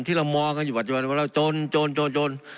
ที่เรามองอยู่บันทึกว่าเราจนจนจนจน